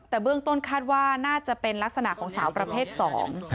แต่เบื้องต้นคาดว่าน่าจะเป็นลักษณะของสาวประเภทสอง